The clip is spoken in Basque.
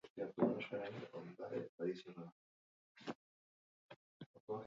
Gauean hodeiak bueltatuko dira eta zerua estaliko da, bereziki kostaldean.